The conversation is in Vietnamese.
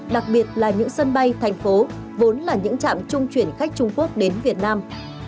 đặc biệt là những sân bay thành phố vốn là những trạm trung chuyển khách trung quốc đến việt nam